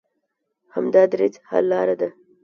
همدا دریځ حل لاره ده.